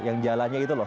yang jalannya itu loh